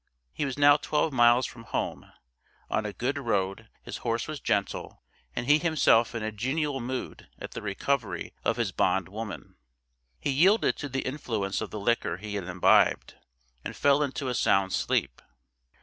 He was now twelve miles from home, on a good road, his horse was gentle, and he himself in a genial mood at the recovery of his bond woman. He yielded to the influence of the liquor he had imbibed and fell into a sound sleep.